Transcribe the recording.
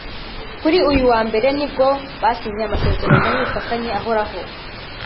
Kuri uyu wa Mbere nibwo basinye amasezerano y’ubufatanye ahoraho